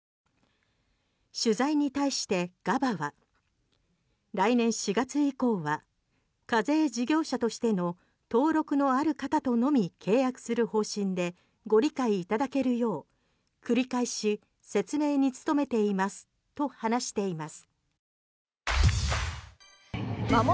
取材に対してＧａｂａは来年４月以降は課税事業者としての登録のある方とのみ契約する方針でご理解いただけるよう繰り返し説明に努めていますと話しています。